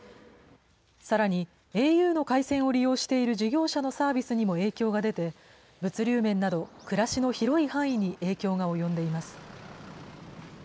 さらにａｕの回線を利用している事業者のサービスにも影響が出て、物流面など暮らしの広い範囲に影響が及んでいます。